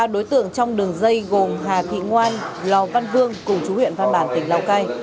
ba đối tượng trong đường dây gồm hà thị ngoan lò văn vương cùng chú huyện văn bản tỉnh lào cai